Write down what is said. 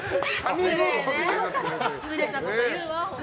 失礼なこと言うわ、本当。